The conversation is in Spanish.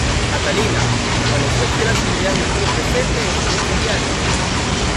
Catalina, permaneció fiel a sus ideas y estuvo presente en sus luchas diarias.